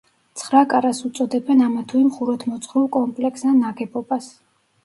ცხრაკარას უწოდებენ ამა თუ იმ ხუროთმოძღვრულ კომპლექსს ან ნაგებობას.